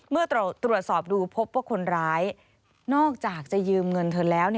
เมื่อตรวจสอบดูพบว่าคนร้ายนอกจากจะยืมเงินเธอแล้ว